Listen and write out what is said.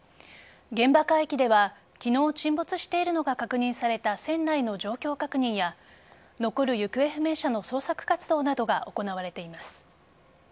現場海域では昨日沈没しているのが確認された船内の状況確認や残る行方不明者の捜索活動などが行われています。